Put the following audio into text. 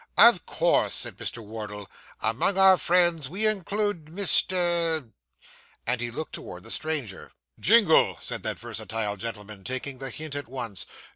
Of course,' said Mr. Wardle, 'among our friends we include Mr. ;' and he looked towards the stranger. 'Jingle,' said that versatile gentleman, taking the hint at once.